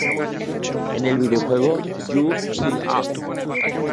En el videojuego Yu-Gi-Oh!